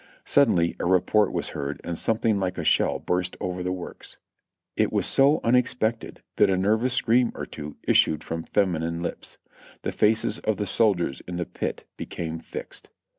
Suddenly a report was heard and something like a shell burst over the works. It was so unexpected that a nervous scream or two issued from feminine lips. The faces of the sol diers in the pit became fixed.